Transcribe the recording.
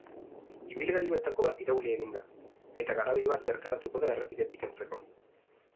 Ibilgailuetako bat irauli egin da, eta garabi bat bertaratu da errepidetik kentzeko.